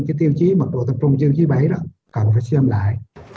cái tiêu chí mật độ tập trung tiêu chí bấy đó cần phải xem lại